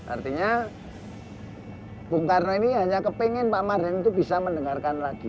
artinya bung karno ini hanya kepingin pak mardhan itu bisa mendengarkan lagi